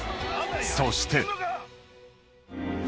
そして。